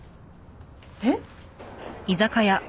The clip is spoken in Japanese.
えっ？